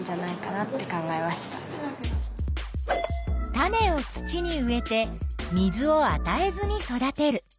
種を土に植えて水をあたえずに育てる。